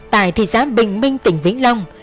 tại thị xác bình minh tỉnh vĩnh long